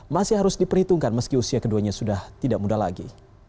masih harus diperhitungkan meski usia keduanya sudah tidak muda lagi